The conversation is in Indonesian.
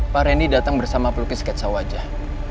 pak reni datang bersama pelukis keksa wajah